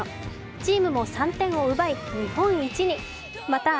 チームも３点を奪い、日本一に。